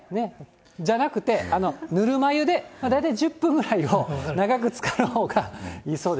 じゃなくて、ぬるま湯で大体１０分ぐらいを長くつかるほうがいいそうです。